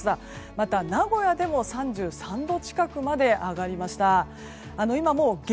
また、名古屋でも３３度近くまで上がりました。